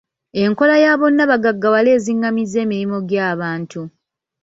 Enkola ya bonna bagaggawale ezingamizza emirimu gy'abantu.